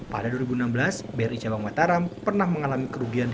pada dua ribu enam belas bri cabang mataram pernah mengalami kerugian